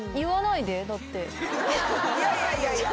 いやいやいやいや。